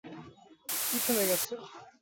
কী থেমে গেছে?